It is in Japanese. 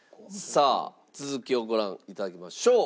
さあ続きをご覧頂きましょう。